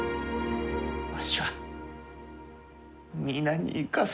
わしは皆に生かされた。